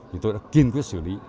thì tôi đã kiên quyết xử lý